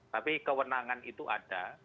tapi kewenangan itu ada